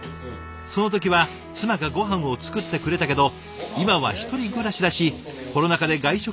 その時は妻がごはんを作ってくれたけど今は１人暮らしだしコロナ禍で外食も気が進まない。